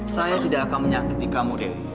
saya tidak akan menyakiti kamu dewi